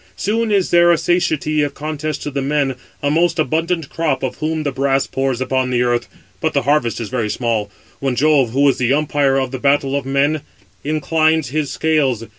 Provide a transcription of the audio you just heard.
Soon is there a satiety of contest to the men, a most abundant crop of whom the brass pours upon the earth; but the harvest is very small, when Jove, who is the umpire of the battle of men, inclines his scales.